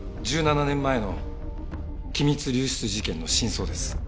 １７年前の機密流出事件の真相です。